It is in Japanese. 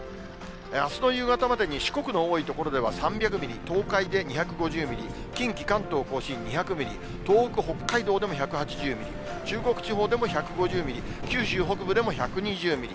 あすの夕方までに、四国の多い所では３００ミリ、東海で２５０ミリ、近畿、関東甲信２００ミリ、東北、北海道でも１８０ミリ、中国地方でも１５０ミリ、九州北部でも１２０ミリ。